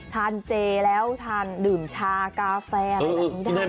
ทานเจแล้วทานดื่มชากาแฟอะไรแบบนี้ได้